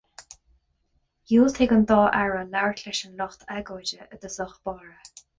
Dhiúltaigh an dá aire labhairt leis an lucht agóide i dtosach báire.